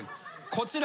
こちら。